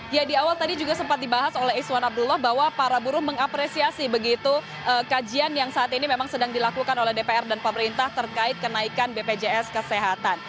ya di awal tadi juga sempat dibahas oleh iswan abdullah bahwa para buruh mengapresiasi begitu kajian yang saat ini memang sedang dilakukan oleh dpr dan pemerintah terkait kenaikan bpjs kesehatan